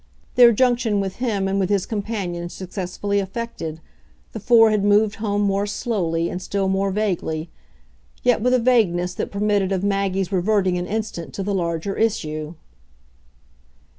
Their junction with him and with his companion successfully effected, the four had moved home more slowly, and still more vaguely; yet with a vagueness that permitted of Maggie's reverting an instant to the larger issue.